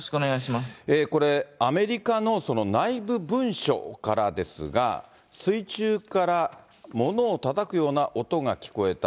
これ、アメリカの内部文書からですが、水中から物をたたくような音が聞こえた。